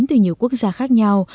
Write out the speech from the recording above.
từ nhiều quốc gia khác nhau